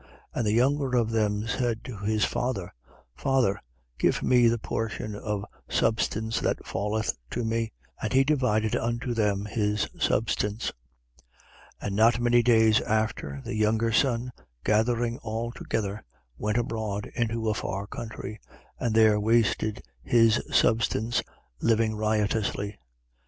15:12. And the younger of them said to his father: Father, give me the portion of substance that falleth to me. And he divided unto them his substance. 15:13. And not many days after, the younger son, gathering all together, went abroad into a far country: and there wasted his substance, living riotously.